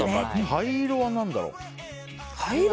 灰色は何だろう？